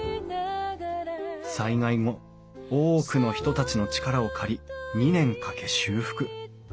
災害後多くの人たちの力を借り２年かけ修復。